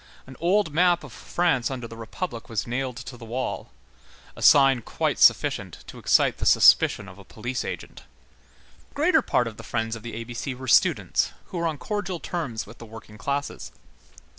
An old map of France under the Republic was nailed to the wall,—a sign quite sufficient to excite the suspicion of a police agent. The greater part of the Friends of the A B C were students, who were on cordial terms with the working classes.